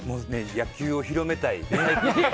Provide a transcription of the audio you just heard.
野球を広めたい！